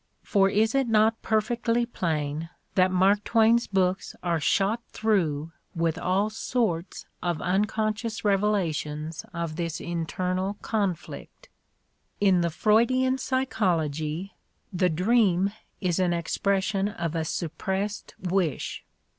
For is it not perfectly plain that Mark Twain's books are shot through with all sorts of unconscious revela tions of this internal conflict? In the Freudian psychology the dream is an expression of a suppressed wish.